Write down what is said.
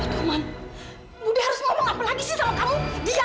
tuh man budi harus ngomong apa lagi sih sama kamu